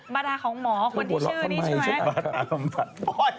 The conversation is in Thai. บาธาของหมอคนที่ชื่อนี่ใช่ไหมบาธาบำบัด